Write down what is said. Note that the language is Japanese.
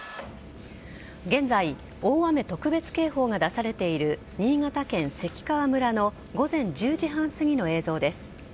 現在大雨特別警報が出されている新潟県関川村の午前１０時半すぎの映像です。